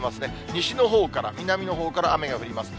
西の方から、南のほうから雨が降ります。